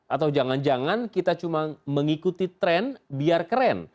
atau jangan jangan kita cuma mengikuti tren biar keren